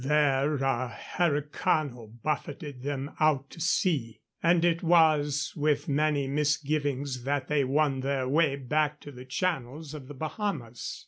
There a herikano buffeted them out to sea, and it was with many misgivings that they won their way back to the channels of the Bahamas.